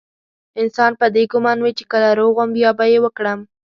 انسان په دې ګمان وي چې کله روغ وم بيا به يې وکړم.